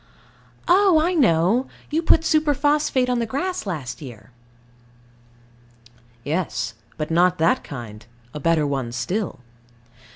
Oh, I know: you put superphosphate on the grass last year. Yes. But not that kind; a better one still.